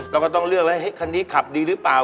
เราก็ต้องเลือกแล้วคันนี้ขับดีหรือเปล่า